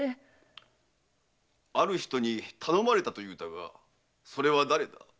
「ある人に頼まれた」と言うたがそれは誰だ？